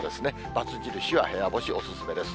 ×印は部屋干しお勧めです。